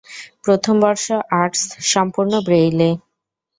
প্রথম বর্ষ আর্টস, সম্পূর্ণ ব্রেইলে।